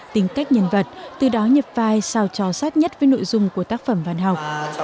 tính cách nhân vật từ đó nhập vai sao cho sát nhất với nội dung của tác phẩm văn học